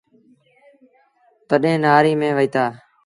تڏهيݩ نآري ميݩ وهيٚتآ۔